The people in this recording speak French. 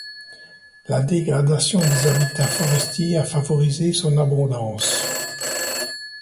La dégradation des habitats forestiers a favorisé son abondance.